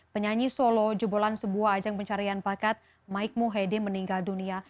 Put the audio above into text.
penyanyi solo jebolan sebuah ajang pencarian pakat mike muhede meninggal dunia